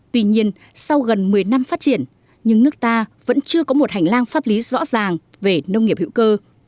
tuy nhiên sau gần một mươi năm phát triển nhưng nước ta vẫn chưa có một hành lang pháp lý rõ ràng về nông nghiệp hữu cơ